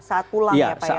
saat pulang ya pak ya